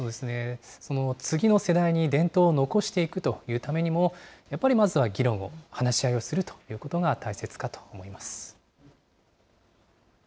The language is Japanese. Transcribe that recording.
次の世代に伝統を残していくというためにも、やっぱりまずは議論を、話し合いをするということが大切かと思います。